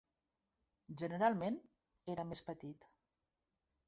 Generalment era més petit.